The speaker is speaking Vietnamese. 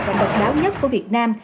và độc đáo nhất của việt nam